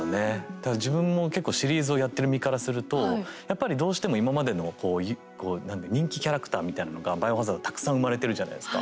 だから自分も結構シリーズをやってる身からするとやっぱりどうしても今までのこうこう人気キャラクターみたいなのが「バイオハザード」たくさん生まれてるじゃないですか。